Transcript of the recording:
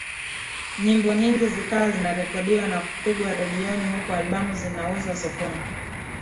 Nyimbo nyingi zikawa zinarekodiwa na kupigwa redioni huku albamu zinauzwa sokoni